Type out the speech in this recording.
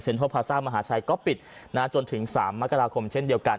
เซ็นทรัลพาซ่ามหาชัยก็ปิดจนถึง๓มคเช่นเดียวกัน